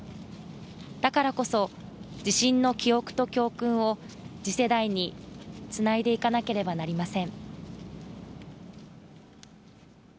だからこそ地震の記憶と教訓を次世代につないでいかなければなりません。